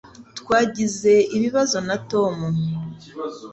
Twagize ibibazo na Tom